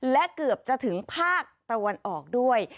และเกือบจะถึงภาคตะวันออกด้วย